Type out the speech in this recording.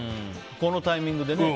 このタイミングでね。